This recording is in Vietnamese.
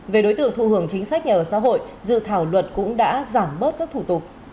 về đối tượng thụ hưởng chính sách nhà ở xã hội dự thảo luật cũng đã giảm bớt các thủ tục